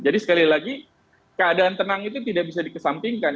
jadi sekali lagi keadaan tenang itu tidak bisa dikesampingkan